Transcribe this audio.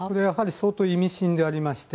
相当意味深でありまして